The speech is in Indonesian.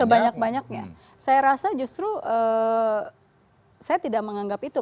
sebanyak banyaknya saya rasa justru saya tidak menganggap itu